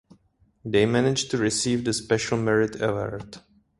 They manage to receive the Special Merit Award.